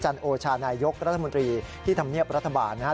โอชานายกรัฐมนตรีที่ทำเนียบรัฐบาลนะครับ